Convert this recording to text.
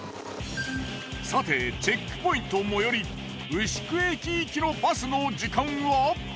さてチェックポイント最寄り牛久駅行きのバスの時間は。